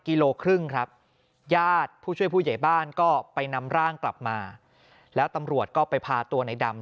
กิโลครึ่งครับญาติผู้ช่วยผู้ใหญ่บ้านก็ไปนำร่างกลับมาแล้วตำรวจก็ไปพาตัวในดำ